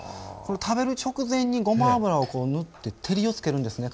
食べる直前にごま油を塗って照りをつけるんですね